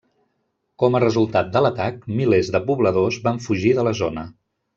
Com a resultat de l'atac, milers de pobladors van fugir de la zona.